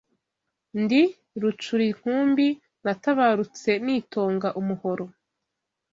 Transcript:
Ndi Rucurinkumbi natabarutse nitonga umuhoro